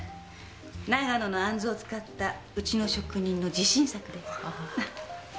長野のあんずを使ったうちの職人の自信作です。